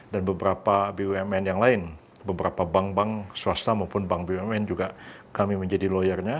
beberapa bumn yang lain beberapa bank bank swasta maupun bank bumn juga kami menjadi lawyernya